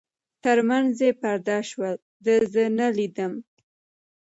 تر منځ پرده شول، ده زه نه لیدم.